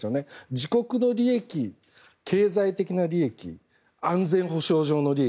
自国の利益、経済的な利益安全保障上の利益